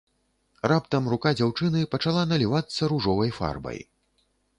Раптам рука дзяўчыны пачала налівацца ружовай фарбай.